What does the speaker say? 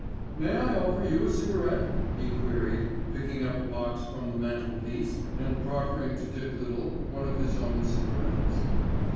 "May I offer you a cigarette?" he queried, picking up a box from the mantelpiece and proffering to Dick Little one of his own cigarettes.